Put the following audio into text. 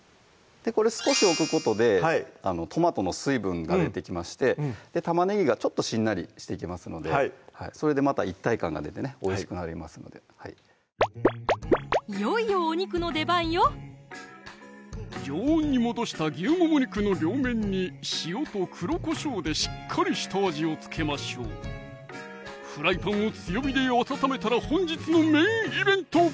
これ少し置くことでトマトの水分が出てきまして玉ねぎがちょっとしんなりしてきますのでそれでまた一体感が出てねおいしくなりますのでいよいよお肉の出番よ常温に戻した牛もも肉の両面に塩と黒こしょうでしっかり下味を付けましょうフライパンを強火で温めたら本日のメインイベント！